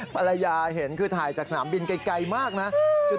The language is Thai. เพื่อเกียรติผัวบ้าง